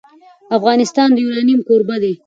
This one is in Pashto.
افغانستان د یورانیم کوربه دی.